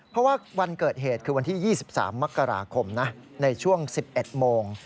เพราะว่าวันเกิดเหตุคือวันที่๒๓มกราคมนะในช่วง๑๑โมง